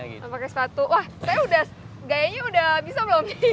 mau pakai sepatu wah saya udah gayanya udah bisa belum